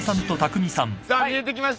さあ見えてきました。